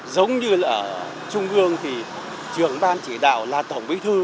giống như ở trung ương thì trưởng ban chỉ đạo là tổng bí thư